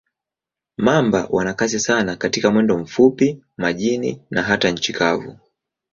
Mamba wana kasi sana katika mwendo mfupi, majini na hata nchi kavu.